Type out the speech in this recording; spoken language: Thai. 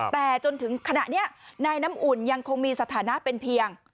แต่จนถึงขณะนี้นายน้ำอุ่นยังคงมีสถานะเป็นเพียง